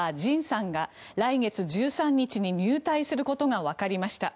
ＪＩＮさんが来月１３日に入隊することがわかりました。